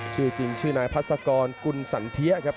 ชื่อจริงชื่อนายพัศกรกุลสันเทียครับ